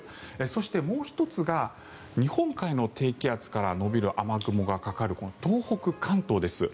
そしてもう１つが日本海の低気圧から延びる雨雲がかかるこの東北、関東です。